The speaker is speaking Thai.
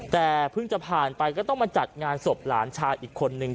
แต่เพิ่งจะผ่านไปก็ต้องมาจัดงานศพหลานชายอีกคนนึง